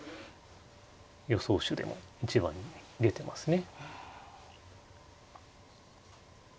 予想手でも一番に出てますね。